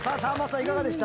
いかがでした？